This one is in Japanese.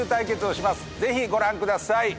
ぜひご覧ください。